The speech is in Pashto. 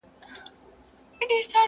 زه به ولي نن د دار سر ته ختلاى.!